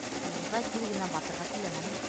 Мурҙа тиҙ генә батырға теләмәне.